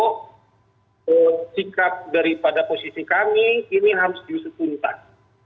kalau sikap daripada posisi kami ini harus disusuntan